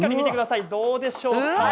どうでしょうか。